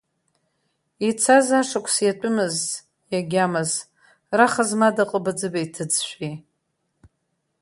Ицаз ашықәс иатәымыз, иагьамаз, раха змада ҟыба-ӡыбеи ҭыӡшәеи!